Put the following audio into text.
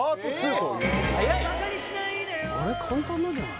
あれ簡単なんじゃない？